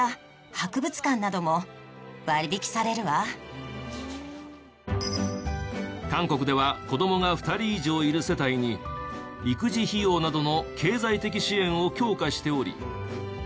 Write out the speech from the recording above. ７年前ですが韓国では子どもが２人以上いる世帯に育児費用などの経済的支援を強化しており。